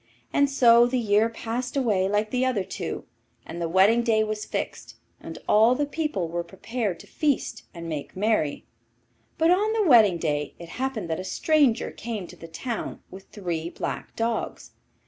And so the year passed away like the other two, and the wedding day was fixed, and all the people were prepared to feast and make merry. But on the wedding day it happened that a stranger came to the town with three black dogs.